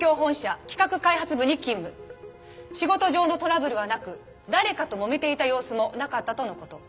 仕事上のトラブルはなく誰かともめていた様子もなかったとの事。